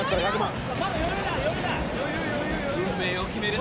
運命を決める